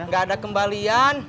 gak ada kembalian